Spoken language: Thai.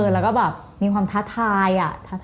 และมีความท้าทาย